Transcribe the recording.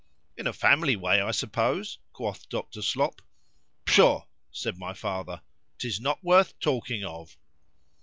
_——In a family way, I suppose, quoth Dr. Slop.——Pshaw!—said my father,—'tis not worth talking of.